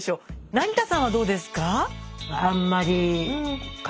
成田さんはどうですか？